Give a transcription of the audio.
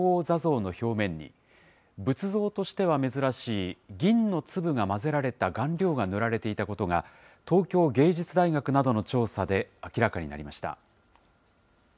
坐像の表面に、仏像としては珍しい、銀の粒が混ぜられた顔料が塗られていたことが、東京芸術大学などの調査で明らかになりました。